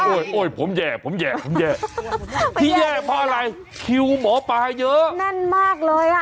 โอ้ยผมแย่ผมแย่ผมแย่ที่แย่เพราะอะไรคิวหมอปลาเยอะแน่นมากเลยอ่ะ